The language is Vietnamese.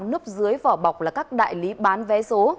núp dưới vỏ bọc là các đại lý bán vé số